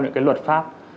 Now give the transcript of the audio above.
những luật pháp